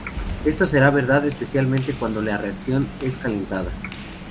Esto será verdad especialmente cuando la reacción es calentada.